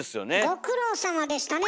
ご苦労さまでしたね